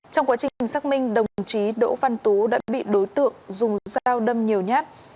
trong quá trình xác minh đồng chí đỗ văn tú đã bị đối tượng dùng dao đâm nhiều nhát